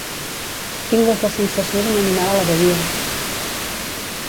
Tingues la sensació d'un animal a la badia!